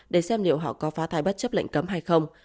để xem liệu họ có phá thai bất chấp lệnh cấm hay không